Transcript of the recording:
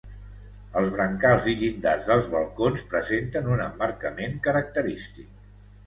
Els brancals i llindars dels balcons presenten un emmarcament característic.